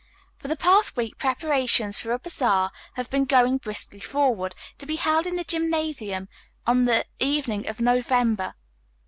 For the past week preparations for a bazaar have been going briskly forward, to be held in the gymnasium on the evening of November